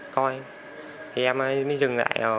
coi thì em mới dừng lại